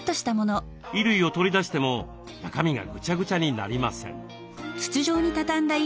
衣類を取り出しても中身がぐちゃぐちゃになりません。